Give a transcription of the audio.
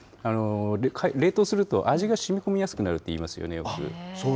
冷凍すると味がしみこみやすくなるっていいますよね、よく。